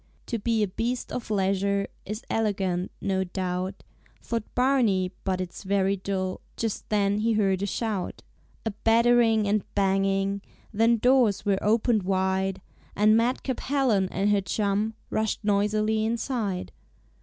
"To be a beast of leisure Is elegant, no doubt," Thought Barney, "but it's very dull." Just then he heard a shout, A battering and banging, Then doors were opened wide, And madcap Helen and her chum Rushed noisily inside.